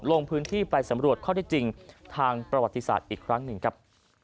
ลงพื้นที่ไปสำรวจข้อได้จริงทางประวัติศาสตร์อีกครั้งหนึ่งครับ